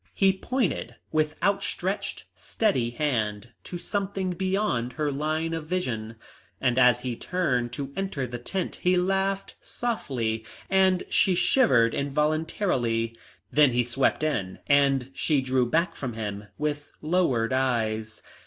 He pointed with outstretched, steady hand to something beyond her line of vision, and as he turned to enter the tent he laughed softly, and she shivered involuntarily. Then he swept in, and she drew back from him with lowered eyes.